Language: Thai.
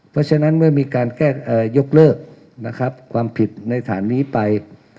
เพราะฉะนั้นเมื่อมีการแก้ยกเลิกนะครับความผิดในฐานนี้ไป